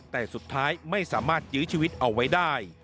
แต่สุดท้ายไม่สามารถยื้อชีวิตเอาไว้ได้